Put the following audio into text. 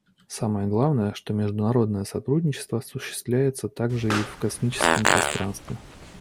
Самое главное, что международное сотрудничество осуществляется также и в космическом пространстве.